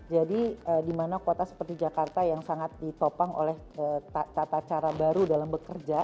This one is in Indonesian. jadi di mana kota seperti jakarta yang sangat ditopang oleh tata cara baru dalam bekerja